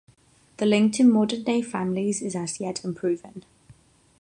The link to modern day families is as yet unproven.